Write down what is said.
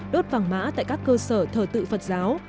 đốt vàng mã tại các cơ sở thờ tự phật giáo